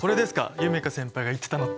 夢叶先輩が言ってたのって。